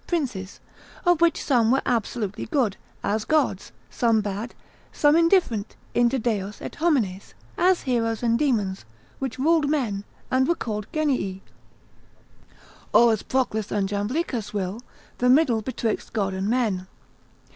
Princes: of which some were absolutely good, as gods, some bad, some indifferent inter deos et homines, as heroes and daemons, which ruled men, and were called genii, or as Proclus and Jamblichus will, the middle betwixt God and men.